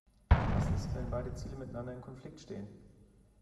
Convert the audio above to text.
Was ist, wenn beide Ziele miteinander in Konflikt stehen?